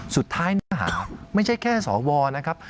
เนื้อหาไม่ใช่แค่สวนะครับ